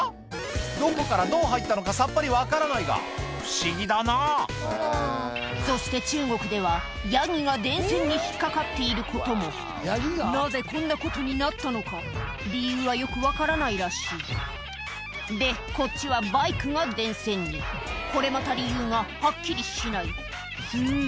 どこからどう入ったのかさっぱり分からないが不思議だなぁそして中国ではヤギが電線に引っかかっていることもなぜこんなことになったのか理由はよく分からないらしいでこっちはバイクが電線にこれまた理由がはっきりしないうん